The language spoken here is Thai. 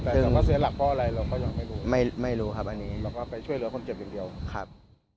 แต่เราก็เสียหลักเพราะอะไรเราก็ยังไม่รู้ไม่รู้ครับอันนี้เราก็ไปช่วยเหลือคนเจ็บอย่างเดียวครับ